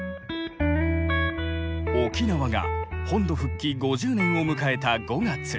沖縄が本土復帰５０年を迎えた５月。